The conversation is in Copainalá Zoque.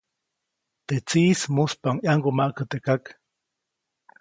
Teʼ tsiʼis muspaʼuŋ ʼyaŋgumaʼkä teʼ kak.